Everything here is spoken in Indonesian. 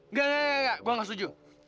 nggak gua gak setuju